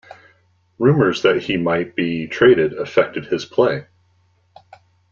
Rumors that he might be traded affected his play.